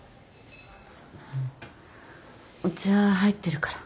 お茶入ってるから。